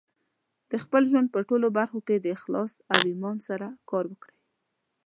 د خپل ژوند په ټولو برخو کې د اخلاص او ایمان سره کار وکړئ.